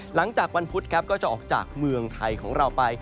หลังจากวันพุธครับก็จะออกจากเมืองไทยของเราไป